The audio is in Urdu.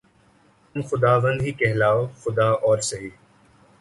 تم خداوند ہی کہلاؤ‘ خدا اور سہی